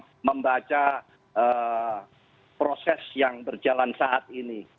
sudah bisa membaca proses yang berjalan saat ini